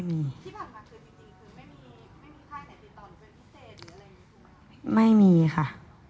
ไม่มีค่ะ